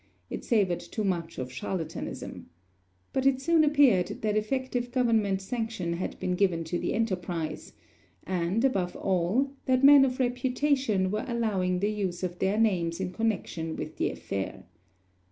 It savored too much of charlatanism. But it soon appeared that effective government sanction had been given to the enterprise; and, above all, that men of reputation were allowing the use of their names in connection with the affair.